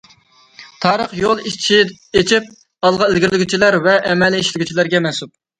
تارىخ يول ئېچىپ ئالغا ئىلگىرىلىگۈچىلەر ۋە ئەمەلىي ئىشلىگۈچىلەرگە مەنسۇپ.